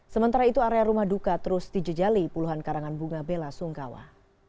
sementara itu area rumah duka terus dijejali puluhan karangan bunga bela sungkawa